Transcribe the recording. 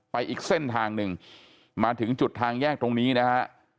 อีกเส้นทางหนึ่งมาถึงจุดทางแยกตรงนี้นะฮะ